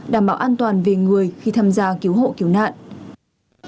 đảm bảo an toàn về người khi tham gia cứu hộ cứu nạn